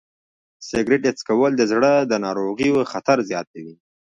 سګریټ څکول د زړه د ناروغیو خطر زیاتوي.